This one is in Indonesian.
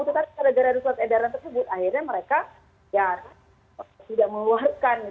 tetapi karena ada surat edaran tersebut akhirnya mereka tidak mengeluarkan